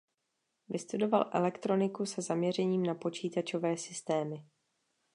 Vystudoval elektroniku se zaměřením na počítačové systémy.